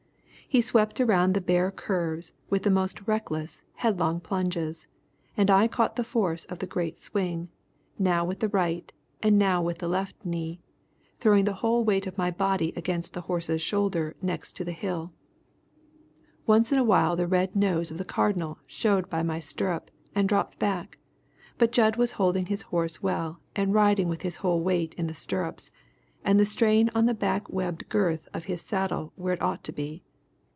He swept around the bare curves with the most reckless, headlong plunges, and I caught the force of the great swing, now with the right, and now with the left knee, throwing the whole weight of my body against the horse's shoulder next to the hill. Once in a while the red nose of the Cardinal showed by my stirrup and dropped back, but Jud was holding his horse well and riding with his whole weight in the stirrups and the strain on the back webbed girth of his saddle where it ought to be.